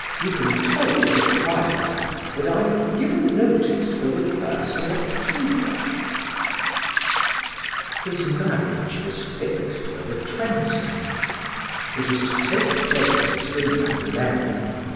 You can tell the proprietor that I have given notice for the first of October." His marriage was fixed for the twentieth; it was to take place at the Madeleine.